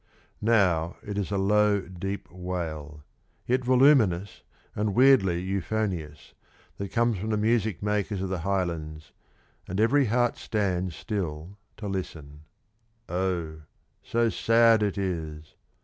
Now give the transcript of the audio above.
Now it is a low, deep wail, yet voluminous and weirdly euphonious, that comes from the music makers of the Highlands, and every heart stands still to listen. Oh, so sad it is!